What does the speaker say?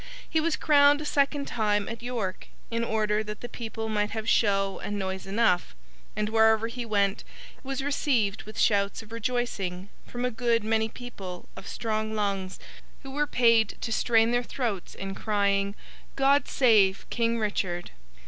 He was crowned a second time at York, in order that the people might have show and noise enough; and wherever he went was received with shouts of rejoicing—from a good many people of strong lungs, who were paid to strain their throats in crying, 'God save King Richard!